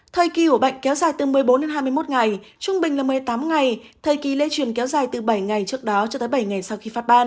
thời kỳ ổ bệnh kéo dài từ một mươi bốn đến hai mươi một ngày trung bình là một mươi tám ngày thời kỳ lây truyền kéo dài từ bảy ngày trước đó cho tới bảy ngày sau khi phát ban